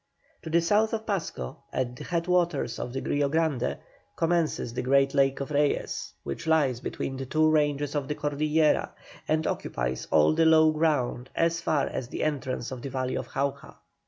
To the south of Pasco, at the head waters of the Rio Grande, commences the great lake of Reyes, which lies between the two ranges of the Cordillera, and occupies all the low ground as far as the entrance of the valley of Jauja.